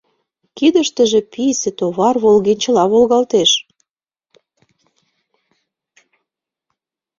Кидыштыже писе товар волгенчыла волгалтеш.